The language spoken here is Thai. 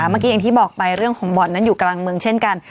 เมื่อกี้อย่างที่บอกไปเรื่องของบ่อนนั้นอยู่กลางเมืองเช่นกัน